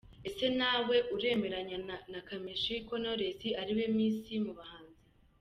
Ese na we uremeranya na Kamichi ko Knowless ari we Miss mu bahanzi?.